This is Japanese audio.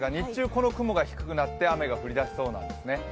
この雲が低くなって雨が降り出しそうなんですね。